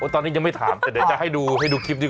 ตอนนี้ยังไม่ถามแต่เดี๋ยวจะให้ดูคลิปดีกว่าอ่าไหน